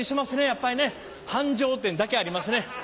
やっぱり繁盛店だけありますね。